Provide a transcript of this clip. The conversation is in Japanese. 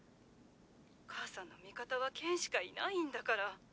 母さんの味方は健しかいないんだから。